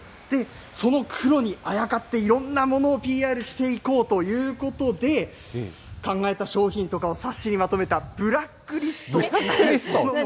その黒にあやかって、いろんなものをＰＲしていこうということで、考えた商品とかを冊子にまとめたぶらっくりすと。